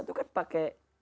itu kan pakai kurma